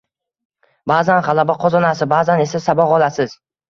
Ba’zan g’alaba qozonasiz, ba’zan esa saboq olasiz